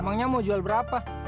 emangnya mau jual berapa